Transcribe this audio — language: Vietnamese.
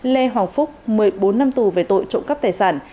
lê hoàng phúc một mươi bốn năm tù về tội trộm cắp tài sản